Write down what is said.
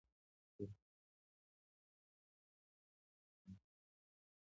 تېر کالم یې د نظریاتي اختلافاتو په اړه و.